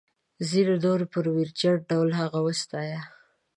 ځینو نورو په ویرجن ډول هغه وستایه.